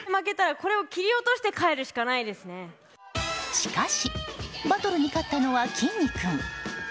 しかしバトルに勝ったのは、きんに君。